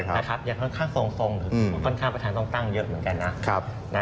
ยังค่อนข้างทรงค่อนข้างประธานต้องตั้งเยอะเหมือนกันนะ